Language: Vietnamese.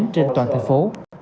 trên toàn thành phố